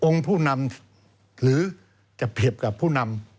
ผู้นำหรือจะเปรียบกับผู้นำ